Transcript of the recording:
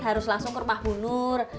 harus langsung ke rumah bunur